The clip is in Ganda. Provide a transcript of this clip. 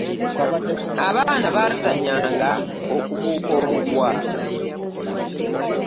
abaana bazanyanga okubuuka omuguwa